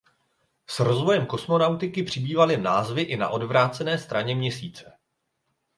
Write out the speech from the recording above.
S rozvojem kosmonautiky přibývaly názvy i na odvrácené straně Měsíce.